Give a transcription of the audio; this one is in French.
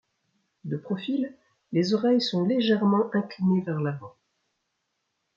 De profil, les oreilles sont légèrement inclinées vers l’avant.